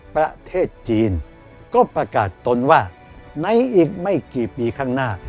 ประเทศจีนก็ประกาศตนว่าในอีกไม่กี่ปีข้างหน้า